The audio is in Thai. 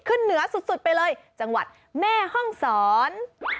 ขึ้นเหนือสุดไปเลยจังหวัดแม่ห้องศร